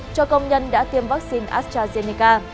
cho công nhân đã tiêm vaccine astrazeneca